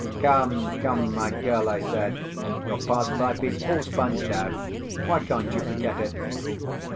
"Come, come, my girl," I said, "your past life is all sponged out. Why can't you forget it?"